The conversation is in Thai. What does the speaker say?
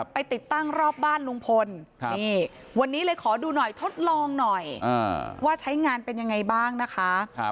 ติดตั้งรอบบ้านลุงพลนี่วันนี้เลยขอดูหน่อยทดลองหน่อยว่าใช้งานเป็นยังไงบ้างนะคะ